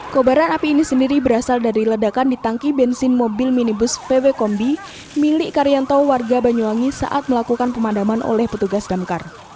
kobaran api ini sendiri berasal dari ledakan di tangki bensin mobil minibus vw kombi milik karyanto warga banyuwangi saat melakukan pemadaman oleh petugas damkar